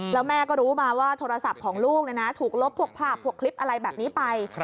แล้วแม่ก็รู้มาว่าโทรศัพท์ของลูกถูกลบพวกภาพพวกคลิปอะไรแบบนี้ไป